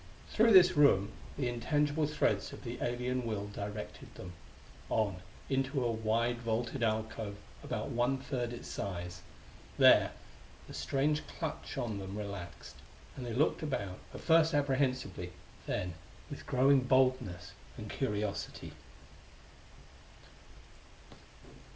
Through this room the intangible threads of the alien will directed them on into a wide vaulted alcove about one third its size. There, the strange clutch on them relaxed, and they looked about, at first apprehensively, then with growing boldness and curiosity.